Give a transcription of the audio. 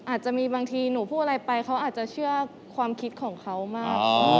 อาจจะมีบางทีหนูพูดอะไรไปเขาอาจจะเชื่อความคิดของเขามาก